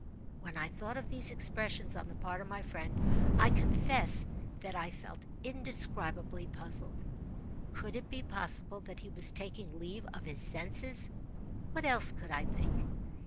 When I thought of these expressions, on the part of my friend, I confess that I felt indescribably puzzled. Could it be possible that he was taking leave of his senses? What else could I think?